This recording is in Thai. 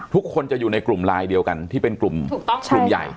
ทุกคนจะอยู่ในกลุ่มลายเดียวกันที่เป็นกลุ่มถูกต้องกลุ่มใหญ่